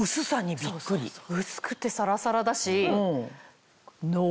薄くてサラサラだし。